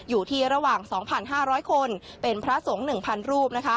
อยู่ที่ระหว่าง๒๕๐๐คนเป็นพระสงฆ์๑๐๐รูป